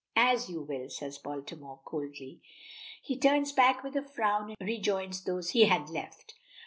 "As you will," says Baltimore, coldly. He turns back with a frown, and rejoins those he had left.